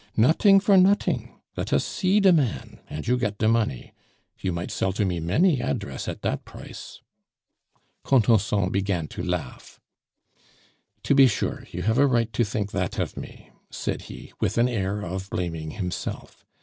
"Noting for noting! Le us see de man, and you get de money; you might sell to me many address at dat price." Contenson began to laugh. "To be sure, you have a right to think that of me," said he, with an air of blaming himself.